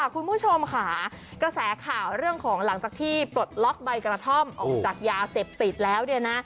คุณผู้ชมค่ะกระแสข่าวเรื่องของหลังจากที่ปลดล็อกใบกระท่อมออกจากยาเสพติดแล้วเนี่ยนะ